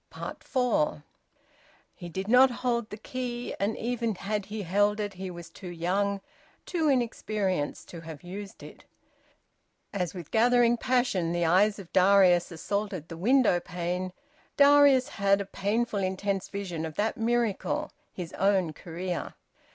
FOUR. He did not hold the key, and even had he held it he was too young, too inexperienced, to have used it. As with gathering passion the eyes of Darius assaulted the window pane, Darius had a painful intense vision of that miracle, his own career.